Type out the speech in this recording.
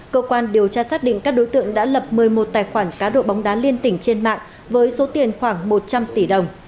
cơ quan điều tra xác định các đối tượng đã lập một mươi một tài khoản cá độ bóng đá liên tỉnh trên mạng với số tiền khoảng một trăm linh tỷ đồng